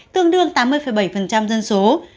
tương đương tám mươi bảy dân số